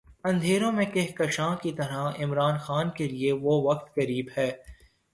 اندھیروں میں کہکشاں کی طرح عمران خان کے لیے وہ وقت قریب ہے۔